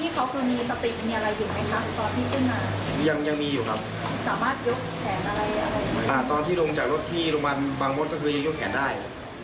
ที่โรงพยาบาลบางมศก็คือยกแขนได้